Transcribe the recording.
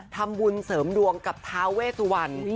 ทำบุญเสริมดวงกับท้าเวสุวรรณ